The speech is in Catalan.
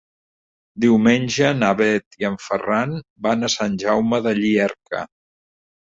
Diumenge na Bet i en Ferran van a Sant Jaume de Llierca.